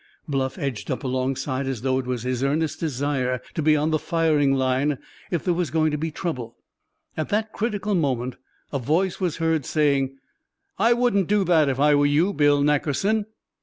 Bluff edged up alongside, as though it was his earnest desire to be on the firing line if there was going to be trouble. At that critical moment a voice was heard, saying: "I wouldn't do that, if I were you, Bill Nackerson!"